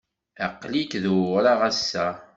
Aql-ik d awraɣ ass-a.